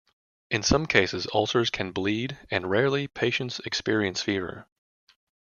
In some cases, ulcers can bleed and, rarely, patients experience fever.